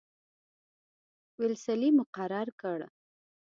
ویلسلي مقرر کړ.